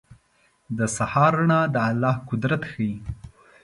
• د سهار رڼا د الله قدرت ښيي.